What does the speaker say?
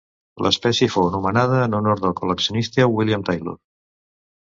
L'espècie fou anomenada en honor del col·leccionista William Taylor.